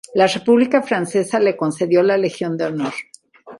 La República Francesa le concedió la Legión de Honor.